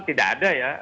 tidak ada ya